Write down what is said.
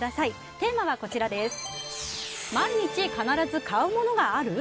テーマは毎日必ず買うものがある？